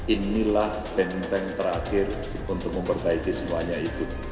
inilah benteng benteng terakhir untuk memperbaiki semuanya itu